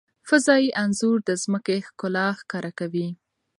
فضايي انځور د ځمکې ښکلا ښکاره کوي.